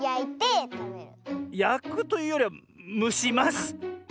やくというよりはむします。